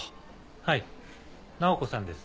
はい菜穂子さんです。